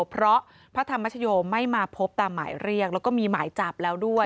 เพราะพระธรรมชโยไม่มาพบตามหมายเรียกแล้วก็มีหมายจับแล้วด้วย